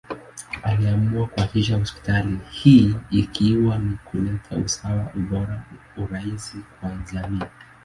Aliamua kuanzisha hospitali hii ikiwa ni kuleta usawa, ubora, urahisi kwa jamii.